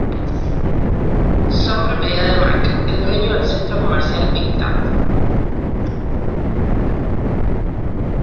Son propiedad de Mack, el dueño del centro comercial Big Top.